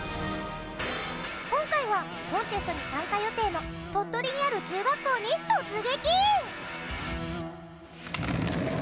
今回はコンテストに参加予定の鳥取にある中学校に突撃！